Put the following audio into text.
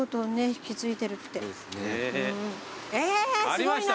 ありました